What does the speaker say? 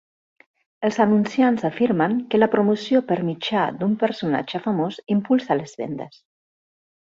Els anunciants afirmen que la promoció per mitjà d'un personatge famós impulsa les vendes.